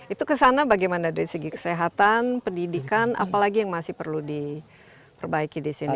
itu ke sana bagaimana dari segi kesehatan pendidikan apa lagi yang masih perlu diperbaiki di sini